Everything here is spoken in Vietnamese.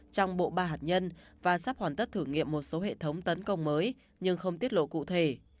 trong bộ ba hạt nhân và sắp hoàn tất thử nghiệm một số hệ thống tấn công mới nhưng không tiết lộ cụ thể